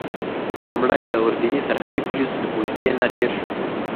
لومړی د اردني سرحدي پولیسو له پوستې نه تېر شوم.